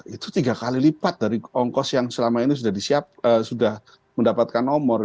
itu tiga kali lipat dari ongkos yang selama ini sudah mendapatkan nomor